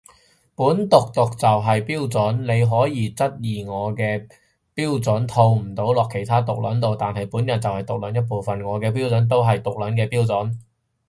本毒毒就係標準，你可以質疑我嘅標準套唔到落其他毒撚度，但係本人就係毒撚一份子，我嘅標準都係毒撚嘅標準